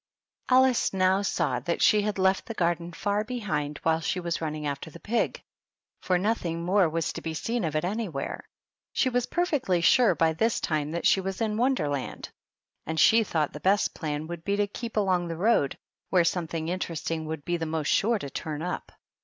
Alice now saw that she had left the garden fer behind while she was running after the pig ; for nothing more was to be seen of it anywhere. She was perfectly sure by this time that she was in Wonderland, and she thought the best plan would be to keep along the road, where some thing interesting would be the most sure to turn up.